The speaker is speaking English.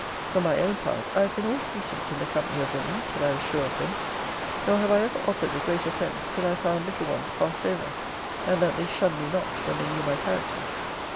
For my own part, I have been always decent in the company of women, till I was sure of them. Nor have I ever offered a great offence, till I have found little ones passed over; and that they shunned me not, when they knew my character.